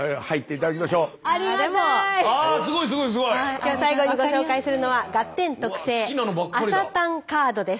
今日最後にご紹介するのはガッテン特製「朝たんカード」です。